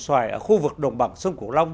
xoài ở khu vực đồng bằng sông cửu long